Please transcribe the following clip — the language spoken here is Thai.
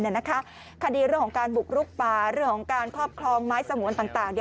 คดีเรื่องของการบุกลุกป่าเรื่องของการครอบครองไม้สงวนต่าง